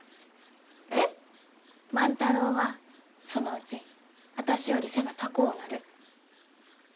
万太郎はそのうちあたしより背が高うなる。